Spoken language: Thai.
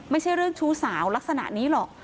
ไม่ใช่เรื่องชู้สาวลักษณะนี้หรอก